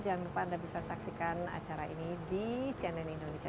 jangan lupa anda bisa saksikan acara ini di cnn indonesia